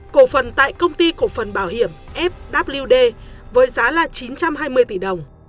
cổ phần tại công ty cổ phần bảo hiểm fwd với giá là chín trăm hai mươi tỷ đồng